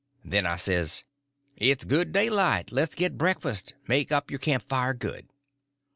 Then I says: "It's good daylight. Le's get breakfast. Make up your camp fire good."